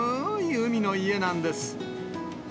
海の家なんです。